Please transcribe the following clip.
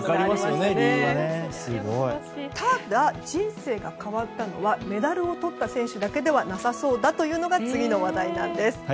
ただ、人生が変わったのはメダルをとった選手だけではなさそうだというのが次の話題なんです。